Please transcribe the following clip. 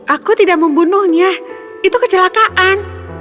aku tidak membunuhnya itu kecelakaan